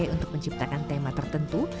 untuk menciptakan tema tertentu